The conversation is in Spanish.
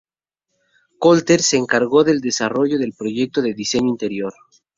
Colter se encargó del desarrollo del proyecto de diseño interior.